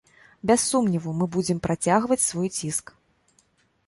Без сумневу, мы будзем працягваць свой ціск.